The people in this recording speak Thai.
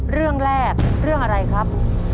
เรื่องแรกเรื่องอะไรครับ